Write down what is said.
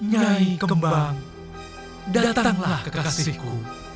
jaih kembang datanglah kekasihku